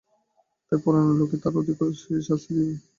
তুই পুরানো লোক, তোকে আর অধিক কী শাস্তি দিব।